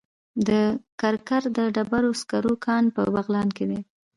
د کرکر د ډبرو سکرو کان په بغلان کې دی.